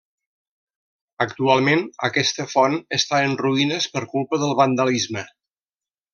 Actualment aquesta font està en ruïnes per culpa del vandalisme.